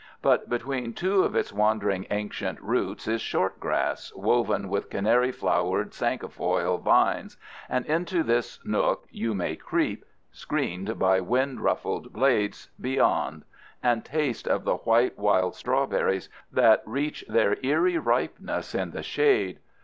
But between two of its wandering ancient roots is short grass, woven with canary flowered cinquefoil vines, and into this nook you may creep, screened by wind ruffled blades beyond, and taste of the white wild strawberries that reach their eerie ripeness in the shade.